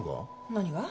何が？